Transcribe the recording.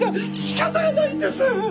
しかたがないんです！